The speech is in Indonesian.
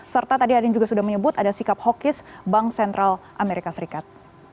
serta tadi ada yang juga sudah menyebut ada sikap hokis bank sentral amerika serikat